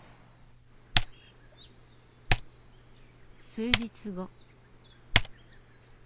数日後。